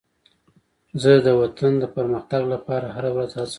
زه د وطن د پرمختګ لپاره هره ورځ هڅه کوم.